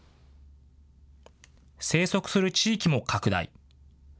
生息する地域も拡大。